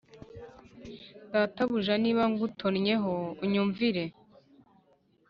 Data buja niba ngutonnyeho unyumvire